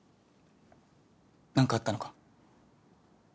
なんかあったのか？